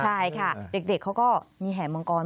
ใช่ค่ะเด็กเขาก็มีแห่มังกร